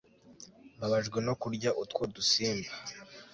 mbabajwe no kurya utwo dusimba